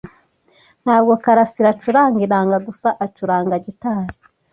Ntabwo karasira acuranga inanga gusa, acuranga gitari.